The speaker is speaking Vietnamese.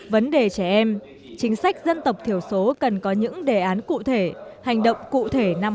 vấn đề trẻ em chính sách dân tộc thiểu số cần có những đề án cụ thể hành động cụ thể năm hai nghìn hai mươi